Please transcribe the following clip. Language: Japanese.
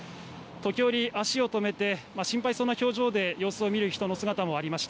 時折、足を止めて心配そうな表情で様子を見る人の姿もありました。